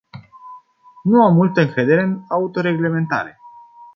Nu am multă încredere în autoreglementare.